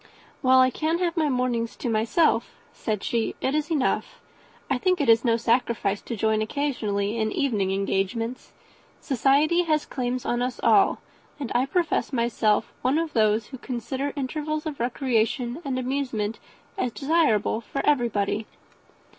"While I can have my mornings to myself," said she, "it is enough. I think it is no sacrifice to join occasionally in evening engagements. Society has claims on us all; and I profess myself one of those who consider intervals of recreation and amusement as desirable for everybody."